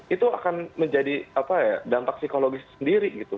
itu akan menjadi dampak psikologis sendiri gitu